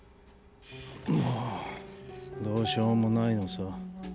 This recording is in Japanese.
もうどうしようもないのさ。